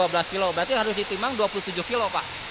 berarti harus ditimbang dua puluh tujuh kilo pak